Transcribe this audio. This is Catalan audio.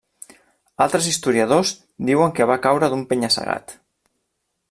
Altres historiadors diuen que va caure d'un penya-segat.